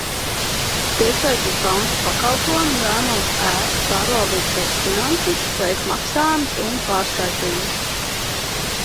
Tiešsaistes banku pakalpojumi ļauj mums ērti pārvaldīt savus finanses, veikt maksājumus un pārskaitījumus.